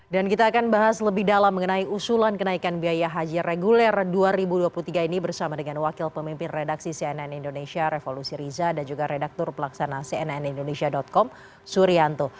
dan kita akan bahas lebih dalam mengenai usulan kenaikan biaya haji reguler dua ribu dua puluh tiga ini bersama dengan wakil pemimpin redaksi cnn indonesia revolusi riza dan juga redaktor pelaksana cnn indonesia com surianto